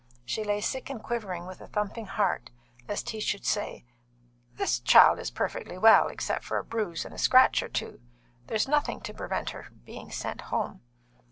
She lay sick and quivering with a thumping heart, lest he should say: "This child is perfectly well, except for a bruise and a scratch or two. There is nothing to prevent her being sent home."